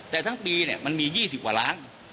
แต่ทั้งปีมันมี๒๐กว่าล้าน